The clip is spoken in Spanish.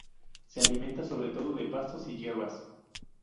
Se alimenta sobre todo de pastos y hierbas.